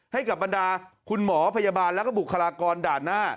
ให้กับบรรดาคุณหมอพยาบาลแล้วก็บุคลากรด่านหน้า